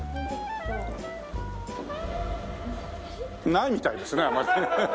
ないみたいですねあまり。